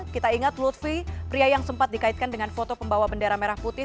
kita ingat lutfi pria yang sempat dikaitkan dengan foto pembawa bendera merah putih